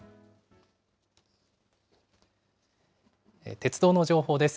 鉄道の情報です。